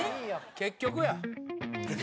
結局や」